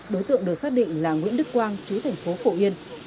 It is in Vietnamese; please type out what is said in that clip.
đối tượng được xác định là nguyễn đức quang chú thành phố phổ yên